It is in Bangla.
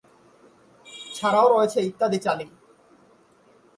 ছাড়াও রয়েছে ইত্যাদি চালি।